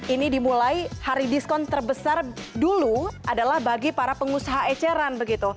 ini dimulai hari diskon terbesar dulu adalah bagi para pengusaha eceran